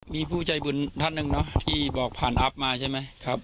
มีผู้ใจบุญท่านหนึ่งเนอะที่บอกผ่านอัพมาใช่ไหมครับ